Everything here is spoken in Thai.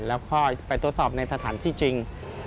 แล้วก็ไปตรวจสอบในสถานที่จริง